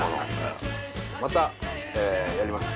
またやります。